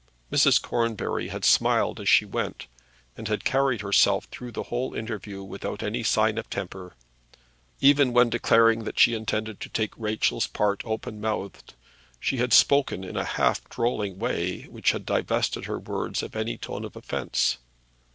Mrs. Cornbury had smiled as she went, and had carried herself through the whole interview without any sign of temper. Even when declaring that she intended to take Rachel's part open mouthed, she had spoken in a half drolling way which had divested her words of any tone of offence.